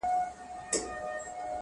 هغه ورځ په واک کي زما زړه نه وي.